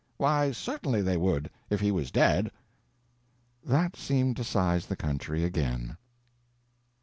"Why, certainly they would, if he was dead." That seemed to size the country again.